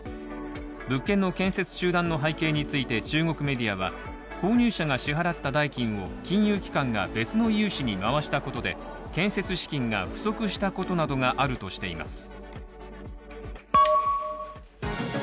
物件の建設中断の背景について中国メディアは購入者が支払った代金を金融機関が別の融資に回したことで建設資金が不足したことなどがあるとしています。